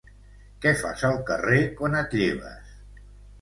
Què fas al carrer quan et lleves?